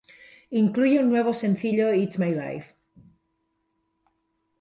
Incluye un nuevo sencillo It's My Life.